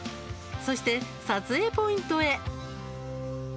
そして撮影ポイントへ。